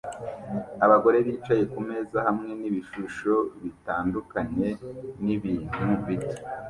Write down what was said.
Abagore bicaye kumeza hamwe nibishusho bitandukanye nibintu bito